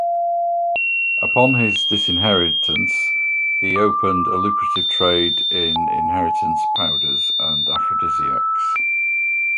Upon his disinheritance, he opened a lucrative trade in "inheritance powders" and aphrodisiacs.